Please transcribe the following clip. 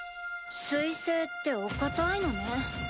水星ってお固いのね。